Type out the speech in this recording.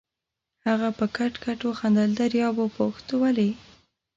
هغه په کټ کټ وخندل، دریاب وپوښت: ولې؟